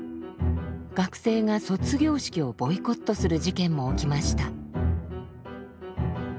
学生が卒業式をボイコットする事件も起きました。